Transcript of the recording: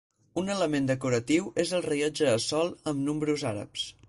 Un element decoratiu és el rellotge de sol amb números àrabs.